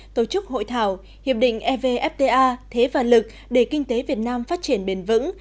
tổ chức hội thảo hiệp định evfta thế và lực để kinh tế việt nam phát triển bền vững